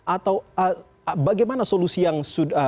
atau bagaimana solusi yang sudah dan akan dilakukan